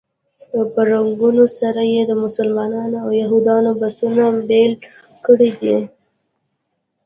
په رنګونو سره یې د مسلمانانو او یهودانو بسونه بېل کړي دي.